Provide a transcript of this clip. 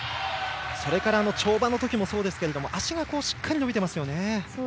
それから、跳馬の時もそうですけれども足がしっかり伸びていますね。